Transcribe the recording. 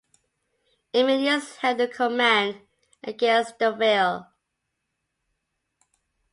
Aemilius held the command against the Veii.